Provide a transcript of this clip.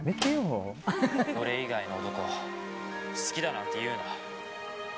俺以外の男を好きだなんて言うな。